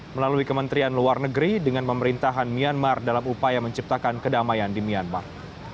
melalui kementerian luar negeri dengan pemerintahan myanmar dalam upaya menciptakan kedamaian di myanmar